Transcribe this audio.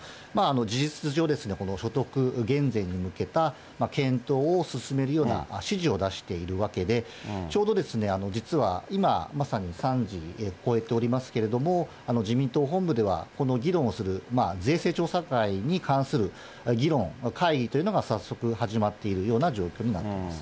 事実上ですね、所得減税に向けた検討を進めるような指示を出しているわけで、ちょうどですね、実は今、まさに３時越えておりますけれども、自民党本部ではこの議論をする、税制調査会に関する議論、会議というのが早速始まっているような状況になっています。